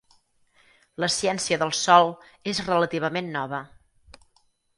La ciència del sòl és relativament nova.